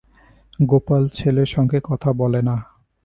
গোপাল ছেলের সঙ্গে কথা বলে না।